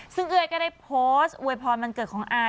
ซึ่งเอ้ยก็ได้โพสต์อวยพรวันเกิดของอาย